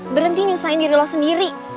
berhenti nyusahin diri lo sendiri